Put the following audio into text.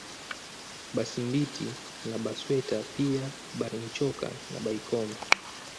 Basimbiti na Basweta pia Barenchoka na Baikoma